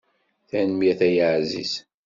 Tanemmirt ay aɛziz.